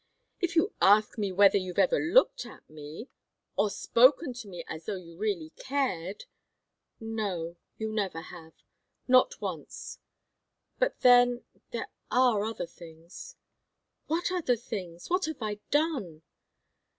If you ask me whether you've ever looked at me, or spoken to me as though you really cared no, you never have. Not once. But then there are other things." "What other things? What have I done?"